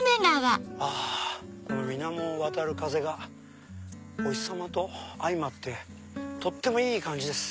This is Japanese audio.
あこの水面を渡る風がお日さまと相まってとってもいい感じです。